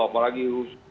apalagi harus seminarkan